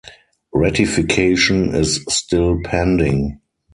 Ratification is still pending.